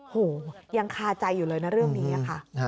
โหยังคาใจอยู่เลยนะเรื่องนี้ค่ะ